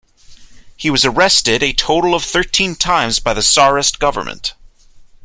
He was arrested a total of thirteen times by the czarist government.